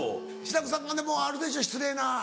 志らくさんなんかでもあるでしょ失礼な。